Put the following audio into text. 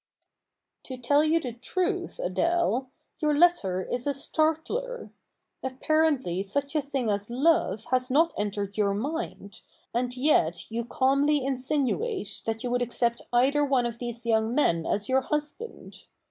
To tell you the truth, Adele, your letter is a "startler!" Apparently such a thing as love has not entered your mind, and yet you calmly insinuate that you would accept either one of these young men as your husband.